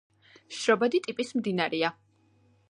შრობადი ტიპის მდინარეა.